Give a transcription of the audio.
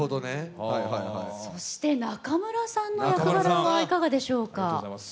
そして仲村さんの役柄はいかがでしょうか？